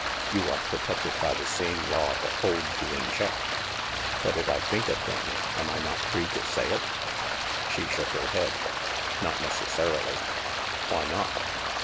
You are protected by the same law that holds you in check." " But if I think a thing, am I not free to say it? " She shook her head. " Not necessarily." "Why not?"